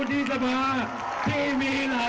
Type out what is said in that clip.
ที่มีหลักการหน่อยแล้ว